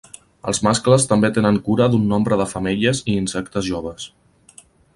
Els mascles també tenen cura d'un nombre de femelles i insectes joves.